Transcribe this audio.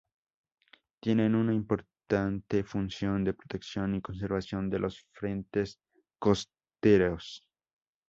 Tienen una importante función de protección y conservación de los frentes costeros.